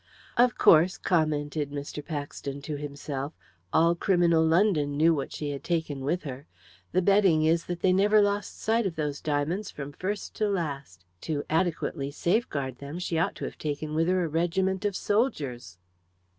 "Of course," commented Mr. Paxton to himself, "all criminal London knew what she had taken with her. The betting is that they never lost sight of those diamonds from first to last; to adequately safeguard them she ought to have taken with her a regiment of soldiers."